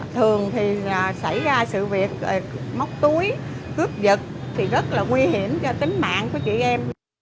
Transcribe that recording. thường thì xảy ra sự việc móc túi cướp giật thì rất là nguy hiểm cho tính mạng của chị em